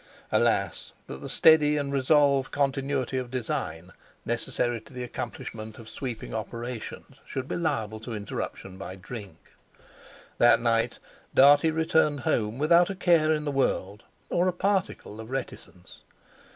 Alas! that the steady and resolved continuity of design necessary to the accomplishment of sweeping operations should be liable to interruption by drink. That night Dartie returned home without a care in the world or a particle of reticence.